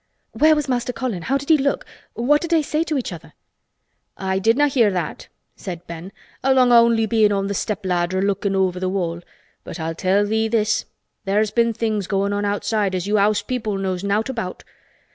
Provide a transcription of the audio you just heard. "Where was Master Colin? How did he look? What did they say to each other?" "I didna' hear that," said Ben, "along o' only bein' on th' stepladder lookin over th' wall. But I'll tell thee this. There's been things goin' on outside as you house people knows nowt about.